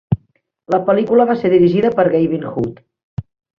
La pel·lícula va ser dirigida per Gavin Hood.